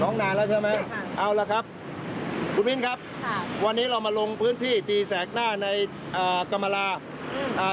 ร้องนานแล้วใช่ไหมเอาล่ะครับคุณวินครับวันนี้เรามาลงพื้นที่ตีแสกหน้าในกรรมลา